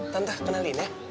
tante kenalin ya